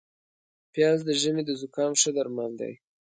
پیاز د ژمي د زکام ښه درمل دي